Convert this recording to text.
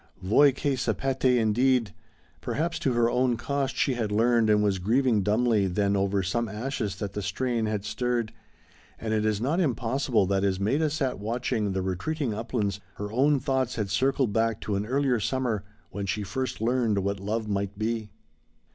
Voi che sapete indeed! Perhaps to her own cost she had learned and was grieving dumbly then over some ashes that the strain had stirred, and it is not impossible that as Maida sat watching the retreating uplands her own thoughts had circled back to an earlier summer when first she learned what Love might be.